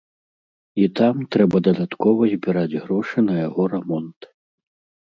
І там трэба дадаткова збіраць грошы на яго рамонт.